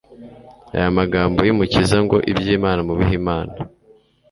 Aya magambo y'Umukiza ngo «iby'Imana mubihe Imana »,